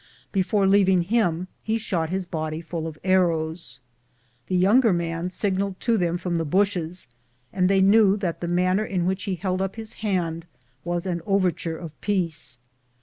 Before leaving him lie shot his body full of arrows. The younger man signalled to them from among the bushes, and they knew that the manner in which he held up his hand was an overture of peace.